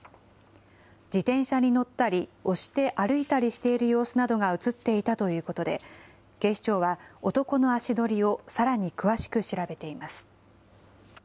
自転車に乗ったり押して歩いたりしている様子などが写っていたということで、警視庁は男の足取りをさらに詳しく調べています。